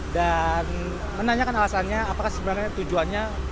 menanyakan alasannya apakah sebenarnya tujuannya